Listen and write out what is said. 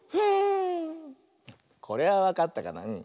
これはわかったかな？